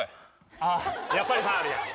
あっ、やっぱりファウルや。